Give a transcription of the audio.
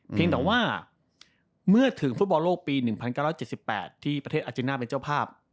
เพียงแต่ว่าเมื่อถึงฟุตบอลโลกปี๑๙๗๘ที่ประเทศอาจิน่าเป็นเจ้าภาพ